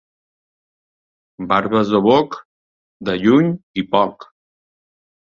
Barbes de boc, de lluny i poc.